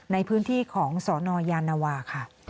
ในพื้นที่ของสนยานวาค่ะ